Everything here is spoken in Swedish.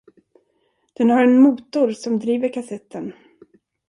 Den har en motor som driver kassetten.